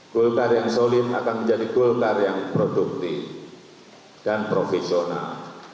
golkar yang solid akan menjadi golkar yang produktif dan profesional